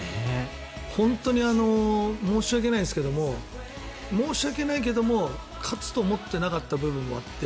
本当に申し訳ないんですけど申し訳ないんだけど勝つと思ってなかった部分もあって。